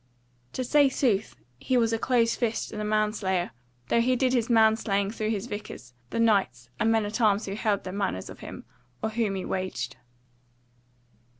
To say sooth he was a close fist and a manslayer; though he did his manslaying through his vicars, the knights and men at arms who held their manors of him, or whom he waged.